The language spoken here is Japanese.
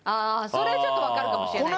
それちょっとわかるかもしれないです。